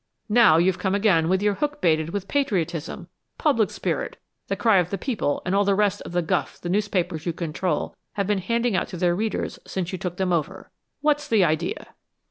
Now you've come again with your hook baited with patriotism, public spirit, the cry of the people and all the rest of the guff the newspapers you control have been handing out to their readers since you took them over. What's the idea?"